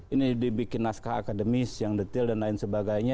ini dibikin naskah akademis yang detail dan lain sebagainya